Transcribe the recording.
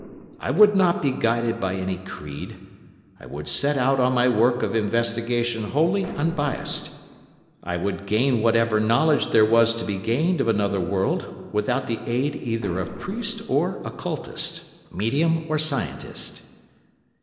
I would not be guided by any creed; I would set out on my work of investigation wholly unbiassed; I would gain whatever knowledge there was to be gained of another world without the aid either of priest or occultist, medium or scientist.